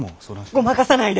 ごまかさないで！